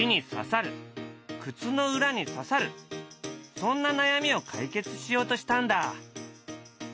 そんな悩みを解決しようとしたんだ。